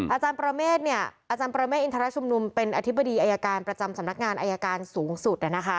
อาจารย์ประเมฆอาจารย์ประเมฆอินทรชุมนุมเป็นอธิบดีอายการประจำสำนักงานอายการสูงสุด